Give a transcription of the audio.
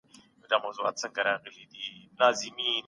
ژر تسلیمېدل بریا ختموي.